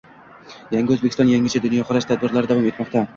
“Yangi O‘zbekiston – yangicha dunyoqarash” tadbirlari davom etmoqda